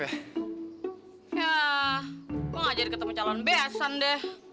yah kok gak jadi ketemu calon besan deh